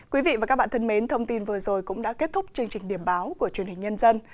quý vị và các bạn thân mến thông tin vừa rồi cũng đã kết thúc chương trình điểm báo của truyền hình nhân dân